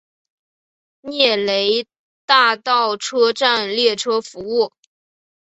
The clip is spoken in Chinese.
涅雷大道车站列车服务。